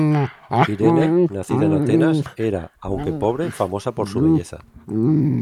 Irene, nacida en Atenas, era, aunque pobre, famosa por su belleza.